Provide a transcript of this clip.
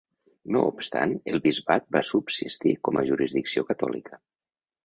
No obstant el bisbat va subsistir com a jurisdicció catòlica.